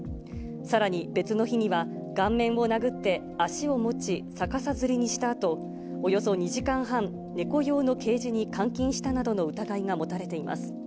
さらに、別の日には、顔面を殴って、足を持ち、逆さづりにしたあと、およそ２時間半、猫用のケージに監禁したなどの疑いが持たれています。